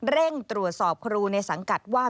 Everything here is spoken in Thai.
เร่งตรวจสอบครูในสังกัดว่า